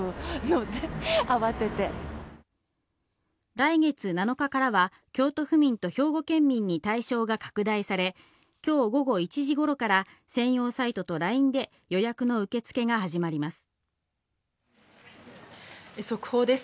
来月７日からは京都府民と兵庫県民に対象が拡大され、今日午後１頃から専用サイトとＬＩＮＥで予約の受け付けが始まります。